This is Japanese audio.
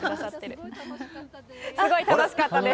すごい楽しかったです。